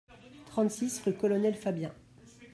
trente-six rue Colonel Fabien